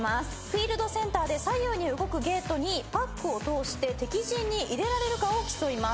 フィールドセンターで左右に動くゲートにパックを通して敵陣に入れられるかを競います。